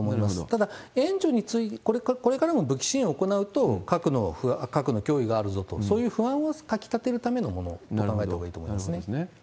ただ、援助について、これからの武器支援を行うと、核の脅威があるぞと、そういう不安をかきたてるものになると考えたほうがいいと思いまそうですね。